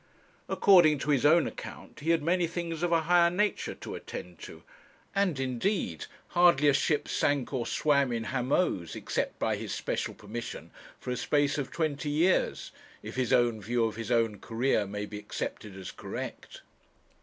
According to his own account, he had many things of a higher nature to attend to; and, indeed, hardly a ship sank or swam in Hamoaze except by his special permission, for a space of twenty years, if his own view of his own career may be accepted as correct.